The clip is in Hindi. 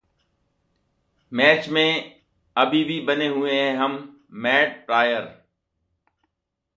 मैच में अभी भी बने हुए हैं हमः मैट प्रायर